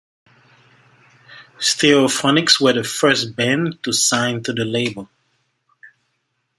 Stereophonics were the first band to sign to the label.